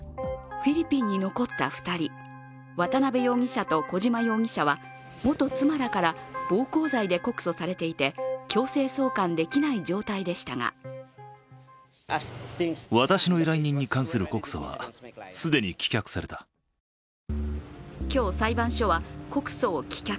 フィリピンに残った２人、渡辺容疑者と小島容疑者は元妻らから暴行罪で告訴されていて強制送還できない状態でしたが今日、裁判所は告訴を棄却。